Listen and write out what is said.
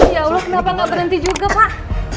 ya allah kenapa nggak berhenti juga pak